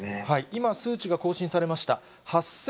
今、数値が更新されました。